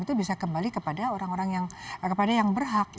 itu bisa kembali kepada orang orang yang berhak